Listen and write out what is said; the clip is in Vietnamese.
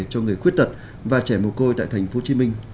cho người khuyết tật và trẻ mồ côi tại thành phố hồ chí minh